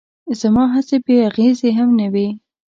زما هڅې بې اغېزې هم نه وې.